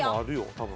多分。